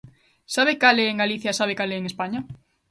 Sabe cal é en Galicia e sabe cal é en España.